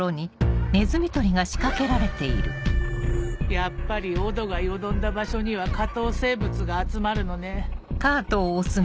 やっぱりオドが淀んだ場所には下等生物が集まるのね。